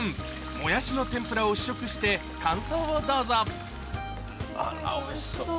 もやしの天ぷらを試食して感想をどうぞおいしそう。